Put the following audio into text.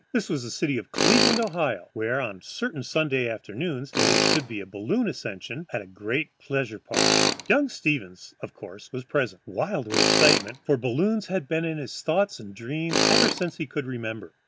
This was the city of Cleveland, Ohio, where on a certain Sunday afternoon there was to be a balloon ascension at the great pleasure park. Young Stevens, of course, was present, wild with excitement, for balloons had been in his thoughts and dreams ever since he could remember.